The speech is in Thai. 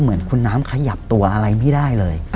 เหมือนคุณน้ำขยับตัวอะไรไม่ได้เลย